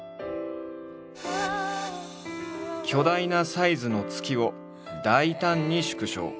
巨大なサイズの月を大胆に縮小。